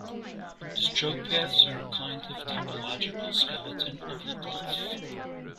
The stroke paths are a kind of topological skeleton of the glyph.